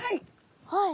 はい。